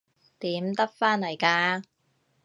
點得返嚟㗎？